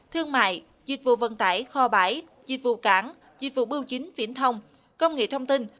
thương mại dịch vụ vận tải kho bãi dịch vụ cảng dịch vụ bưu chính viễn thông công nghệ thông tin